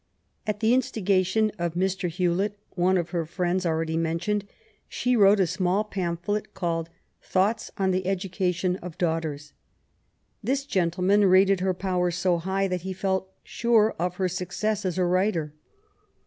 At the instigation of Mr. Hewlet, one of her friends already mentioned, she wrote a small pamphlet called Thoughts on the Education of Daughters. This gentle man rated her powers so high that he felt sure of her success as a writer.